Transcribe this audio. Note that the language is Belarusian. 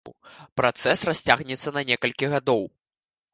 Працэс расцягнецца на некалькі гадоў.